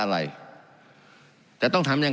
การปรับปรุงทางพื้นฐานสนามบิน